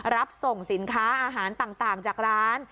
รับส่งสินค้าอาหารต่างจากร้าน